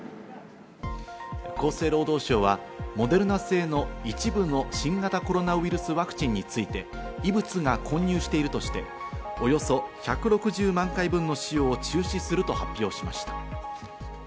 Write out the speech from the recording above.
厚生労働省はモデルナ製の一部の新型コロナウイルスワクチンについて異物が混入しているとして、およそ１６０万回分の使用を中止すると発表しました。